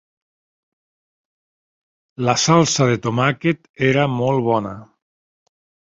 La salsa de tomàquet era molt bona.